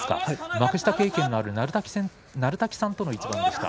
幕下経験のある鳴滝さんとの一番でした。